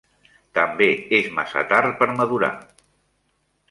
També és massa tard per madurar.